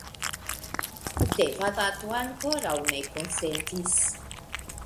Devadato ankoraŭ ne konsentis.